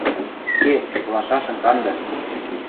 Ке, лашашым канды.